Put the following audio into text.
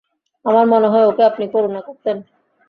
আমার মনে হয়, ওকে আপনি করুণা করতেন।